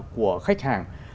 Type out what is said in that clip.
của khách hàng